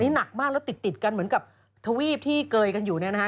หนักมากแล้วติดกันเหมือนกับทวีปที่เกยกันอยู่เนี่ยนะฮะ